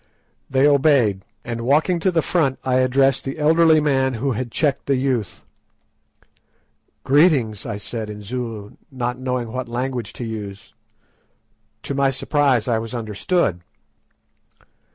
They obeyed, and walking to the front I addressed the elderly man who had checked the youth. "Greeting," I said in Zulu, not knowing what language to use. To my surprise I was understood.